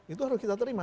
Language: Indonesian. itu harus kita terima